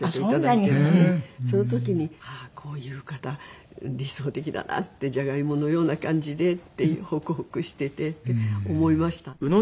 その時にこういう方理想的だなってジャガイモのような感じでホクホクしててって思いました。